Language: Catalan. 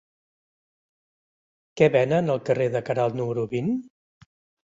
Què venen al carrer de Queralt número vint?